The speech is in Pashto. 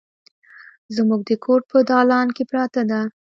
زموږ د کور په دالان کې پرته ده